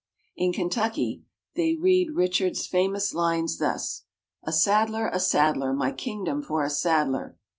In Kentucky they read Richard's famous lines thus: "A saddler! a saddler! my kingdom for a saddler!"